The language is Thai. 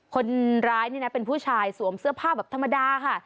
คนร้ายนี่นะเป็นผู้ชายสวมเสื้อผ้าแบบธรรมดาค่ะ